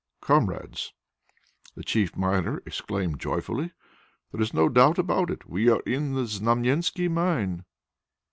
"Comrades!" the chief miner exclaimed joyfully. "There is no doubt about it! We are in the Znamensky mine!"